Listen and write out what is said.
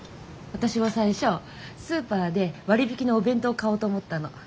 私は最初スーパーで割引のお弁当を買おうと思ったの。